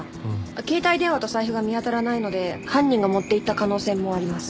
携帯電話と財布が見当たらないので犯人が持っていった可能性もあります。